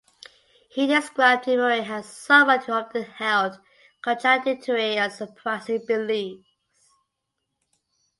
He described Emory as someone who often held "contradictory and surprising beliefs".